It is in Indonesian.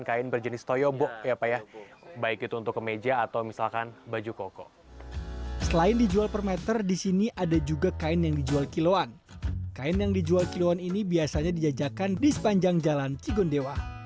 kain yang dijual kiloan ini biasanya dijadikan di sepanjang jalan cigon dewah